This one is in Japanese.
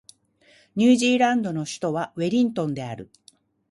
ニュージーランドの首都はウェリントンである